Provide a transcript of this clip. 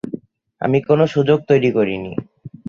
আমি কোনও সুযোগ তৈরী করিনি!